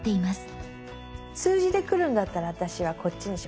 数字でくるんだったら私はこっちにしよ。